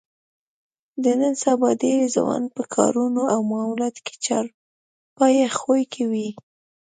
د نن سبا ډېری ځوانان په کارونو او معاملاتو کې چارپایه خوی کوي.